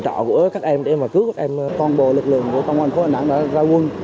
đồng chọn của các em để cứu các em con bồ lực lượng của công an phố đà nẵng đã ra quân